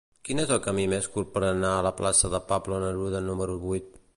Quin és el camí més curt per anar a la plaça de Pablo Neruda número vuit?